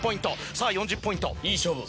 さぁ４０ポイントいい勝負。